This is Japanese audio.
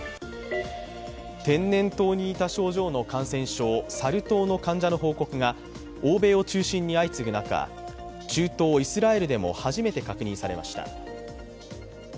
天然痘に似た症状の感染症、サル痘の患者の報告が欧米を中心に相次ぐ中中東・イスラエルでも初めて確認されました。